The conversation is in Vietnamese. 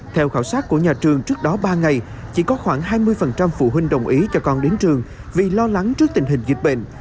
theo khảo sát của nhà trường trước đó ba ngày chỉ có khoảng hai mươi phụ huynh đồng ý cho con đến trường vì lo lắng trước tình hình dịch bệnh